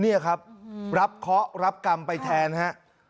เนี่ยครับอืมรับเคาะรับกรรมไปแทนฮะ